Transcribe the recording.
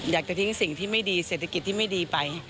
อยากจะทิ้งสิ่งที่ไม่ดีเศรษฐกิจที่ไม่ดีไป